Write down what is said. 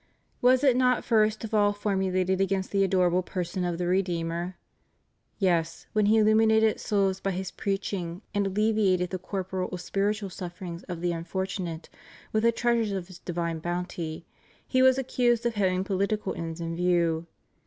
Was it not first of all formulated against the adorable peratm of the Redeemer? Yes, when He illuminated souls by His preaching and alleviated the corporal or spiritual sufferings of the unfor tunate with the treasures of His divine boimty, he was accused of having political ends in view.